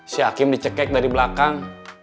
si hakim dicek dari belakang